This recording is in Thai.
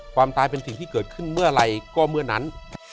ความตายเป็นสิ่งที่เกิดขึ้นเมื่อไหร่ก็เมื่อนั้น